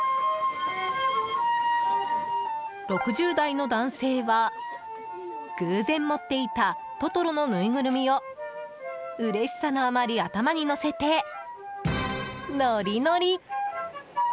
６０代の男性は、偶然持っていたトトロのぬいぐるみをうれしさのあまり頭に乗せてノリノリ！